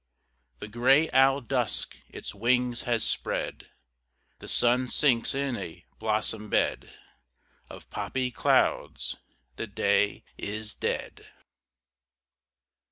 The gray owl Dusk its wings has spread ; The sun sinks in a blossom bed Of poppy clouds ; the day is dead.